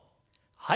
はい。